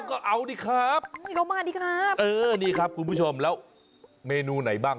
โอ๊ยหมู